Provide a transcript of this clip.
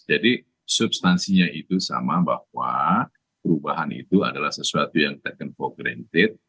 jadi substansinya itu sama bahwa perubahan itu adalah sesuatu yang taken for granted